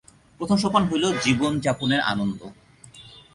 প্রথম সোপান হইল জীবনযাপনের আনন্দ।